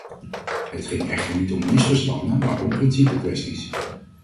Het ging echter niet om misverstanden, maar om principekwesties.